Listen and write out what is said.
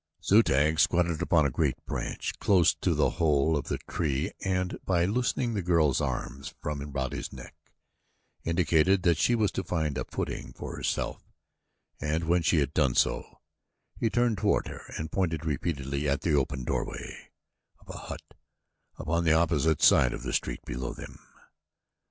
Zu tag squatted upon a great branch close to the bole of the tree and by loosening the girl's arms from about his neck, indicated that she was to find a footing for herself and when she had done so, he turned toward her and pointed repeatedly at the open doorway of a hut upon the opposite side of the street below them.